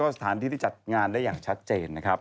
สถานที่ที่จัดงานได้อย่างชัดเจนนะครับ